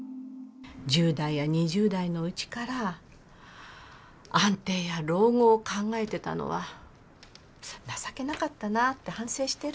１０代や２０代のうちから安定や老後を考えてたのは情けなかったなって反省してる。